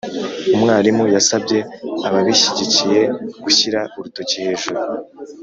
umwarimu yasabye ababishyigikiye gushyira urutoki hejuru